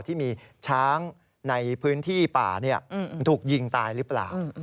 ที่มีช้างในพื้นที่ป่าถูกยิงตายหรือเปล่า